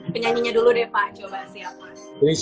penyanyi nya dulu deh pak coba siapkan